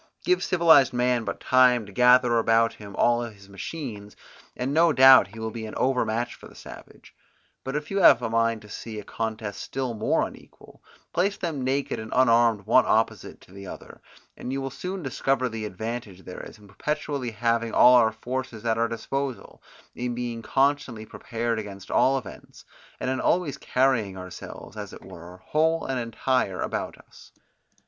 Give civilized man but time to gather about him all his machines, and no doubt he will be an overmatch for the savage: but if you have a mind to see a contest still more unequal, place them naked and unarmed one opposite to the other; and you will soon discover the advantage there is in perpetually having all our forces at our disposal, in being constantly prepared against all events, and in always carrying ourselves, as it were, whole and entire about us.